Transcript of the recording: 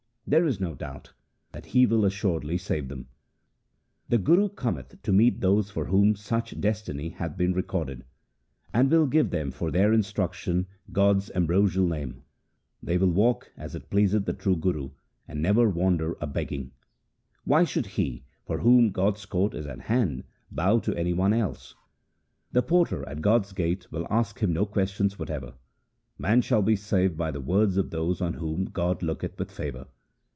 There is no doubt that He will assuredly save them. The Guru cometh to meet those for whom such destiny hath been recorded, And will give them for their instruction God's ambrosial Name. 8 THE SIKH RELIGION They will walk as it pleaseth the true Guru, and never wander a begging. 1 Why should he, for whom God's court is at hand, bow to any one else ? The porter at God's gate will ask him no questions whatever. Man shall be saved by the words of those on whom God looketh with favour.